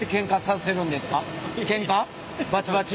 バチバチ？